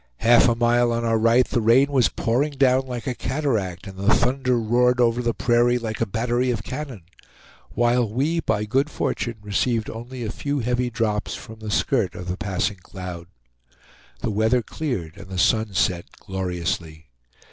Half a mile on our right the rain was pouring down like a cataract, and the thunder roared over the prairie like a battery of cannon; while we by good fortune received only a few heavy drops from the skirt of the passing cloud. The weather cleared and the sun set gloriously.